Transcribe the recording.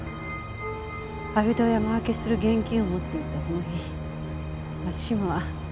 阿部と山分けする現金を持っていったその日松島は６０００万円